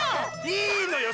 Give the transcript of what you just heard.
いいのよ